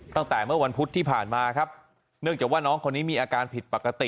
ตั้งแต่เมื่อวันพุธที่ผ่านมาครับเนื่องจากว่าน้องคนนี้มีอาการผิดปกติ